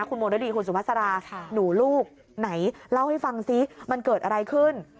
คุณโมรดีคุณสุภาษาหนูลูกไหนเล่าให้ฟังซิมันเกิดอะไรขึ้น